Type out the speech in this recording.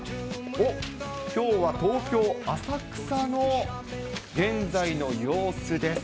おっ、きょうは東京・浅草の現在の様子です。